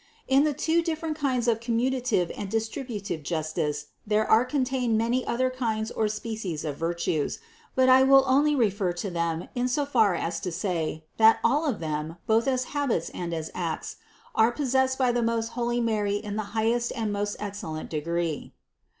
559. In the two different kinds of commutative and distributive justice there are contained many other kinds or species of virtues, but I will only refer to them in so far as to say, that all of them, both as habits and as acts, were possessed by the most holy Mary in the high est and most excellent degree.